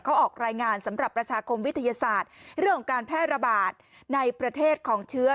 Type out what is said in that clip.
เขาออกรายงานสำหรับประชาคมวิทยาศาสตร์เรื่องของการแพร่ระบาดในประเทศของเชื้อ